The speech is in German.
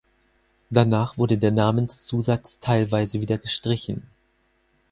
Danach wurde der Namenszusatz teilweise wieder gestrichen.